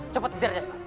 cepat ngejar dia